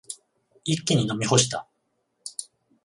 一気に飲み干した。